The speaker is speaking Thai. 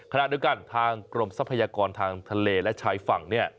ขณะเดียวกันทางกรมทรัพยากรทางทะเลและชายฝั่ง